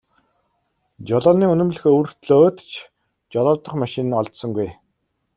Жолооны үнэмлэх өвөртлөөд ч жолоодох машин нь олдсонгүй.